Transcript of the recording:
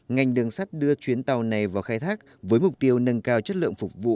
ngành đường sắt đưa chuyến tàu này vào khai thác với mục tiêu nâng cao chất lượng phục vụ